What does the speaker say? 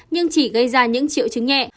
nhưng chỉ gây ra những triệu chứng nhẹ